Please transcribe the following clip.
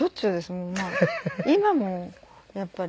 もう今もやっぱり。